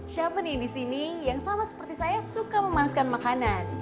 siapa nih di sini yang sama seperti saya suka memanaskan makanan